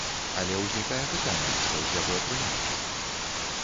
Але ўзнікае пытанне, што з яго атрымаецца.